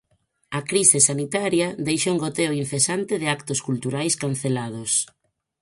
A crise sanitaria deixa un goteo incesante de actos culturais cancelados.